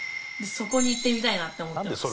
そこに行ってみたいなって思ってます。